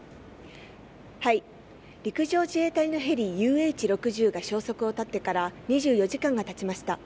陸上自衛隊のヘリＵＨ６０が消息を絶ってから２４時間がたちました。